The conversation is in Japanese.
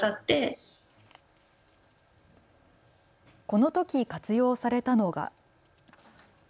このとき活用されたのが。